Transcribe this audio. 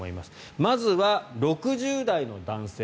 まずは６０代の男性。